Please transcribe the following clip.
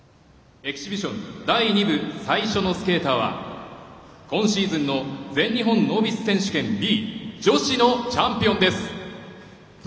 エキシビション第２部、最初のスケーターは今シーズンの全日本ノービス選手権２位女子のチャンピオンです。